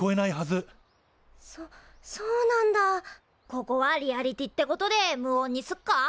ここはリアリティーってことで無音にすっか？